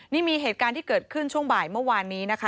นี่มีเหตุการณ์ที่เกิดขึ้นช่วงบ่ายเมื่อวานนี้นะคะ